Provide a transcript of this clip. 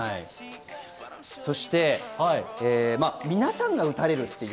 そして皆さんが打たれるという。